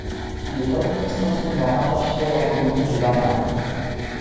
Il est administrativement rattaché à la commune de Bana.